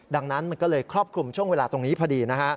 ดังนั้นมันก็เลยครอบคลุมช่วงเวลาตรงนี้พอดีนะฮะ